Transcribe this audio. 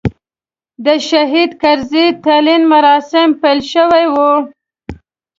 د شهید کرزي تلین مراسیم پیل شوي و.